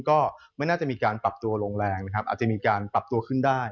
ก็ไม่น่าจะมีการปรับตัวลงแรงนะครับอาจจะมีการปรับตัวขึ้นได้